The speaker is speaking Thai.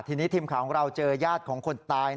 ทีนี้ทีมข่าวเราเจอยาดคนตาย